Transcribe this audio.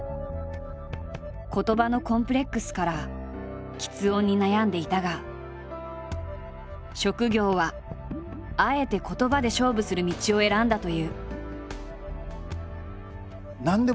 言葉のコンプレックスからきつ音に悩んでいたが職業はあえて言葉で勝負する道を選んだという。